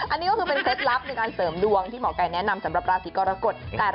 อันนี้ก็คือเป็นเคล็ดลับในการเสริมดวงที่หมอไก่แนะนำสำหรับราศีกรกฎ